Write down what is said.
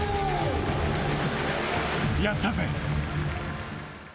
やったぜ！